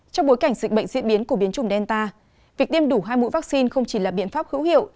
trong bối cảnh dịch bệnh diễn biến của biến chủng delta việc tiêm đủ hai mũi vaccine không chỉ là biện pháp hữu hiệu